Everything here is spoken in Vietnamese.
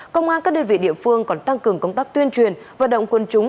các đơn vị địa phương còn tăng cường công tác tuyên truyền và động quân chúng